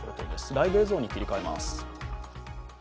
ライブ映像に切り替えます。